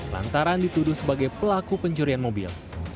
lantaran dituduh sebagai pelaku pencurian mobil